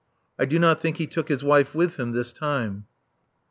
I do not think he took his wife with him this time.